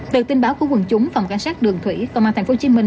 từ tin báo của quân chúng phòng cảnh sát đường thủy công an thành phố hồ chí minh